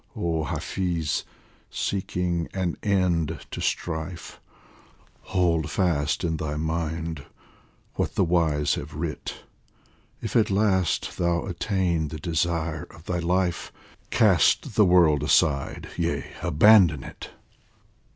Oh Hafiz, seeking an end to strife, Hold fast in thy mind what the wise have writ :" If at last thou attain the desire of thy life, Cast the world aside, yea, abandon it